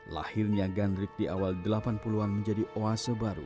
lahirnya gandrik di awal delapan puluh an menjadi oase baru